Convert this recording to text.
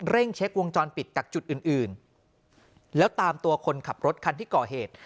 เช็ควงจรปิดจากจุดอื่นอื่นแล้วตามตัวคนขับรถคันที่ก่อเหตุ